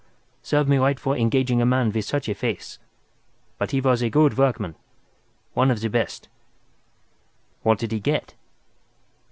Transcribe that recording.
Serve me right for engaging a man with such a face. But he was a good workman—one of the best." "What did he get?"